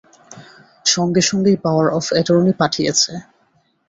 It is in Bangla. সঙ্গে সঙ্গেই পাওয়ার অফ অ্যাটর্নি পাঠিয়েছে।